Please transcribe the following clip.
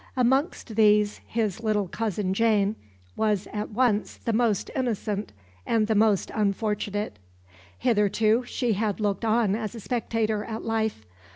Amongst these his little cousin Jane was at once the most innocent and the most unfortunate. Hitherto she had looked on as a spectator at life.